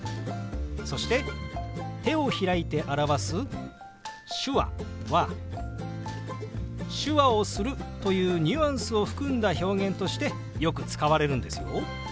そして手を開いて表す「手話」は「手話をする」というニュアンスを含んだ表現としてよく使われるんですよ。